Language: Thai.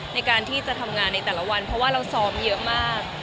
ในการที่จะทำงานในแต่ละวันเพราะว่าเราซ้อมเยอะมาก